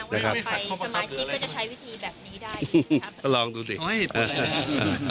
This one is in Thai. แสดงว่าใครกำลังทิ้งก็จะใช้วิธีแบบนี้ได้